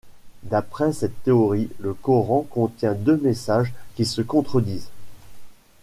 D’après cette théorie, le Coran contient deux messages qui se contredisent.